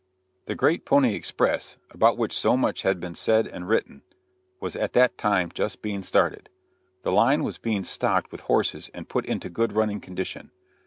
The great pony express, about which so much has been said and written, was at that time just being started. The line was being stocked with horses and put into good running condition.